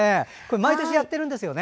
毎年やってるんですよね。